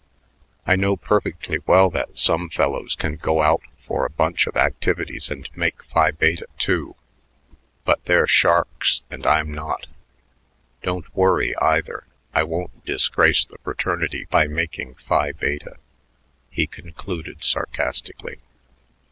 I know perfectly well that some fellows can go out for a bunch of activities and make Phi Bete, too; but they're sharks and I'm not. Don't worry, either; I won't disgrace the fraternity by making Phi Bete," he concluded sarcastically.